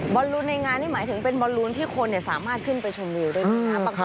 บอลลูนในงานนี่หมายถึงเป็นบอลลูนที่คนสามารถขึ้นไปชมวิวได้ด้วยนะ